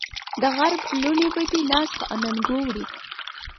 د غرب لوڼې به دې ناز په اننګو وړي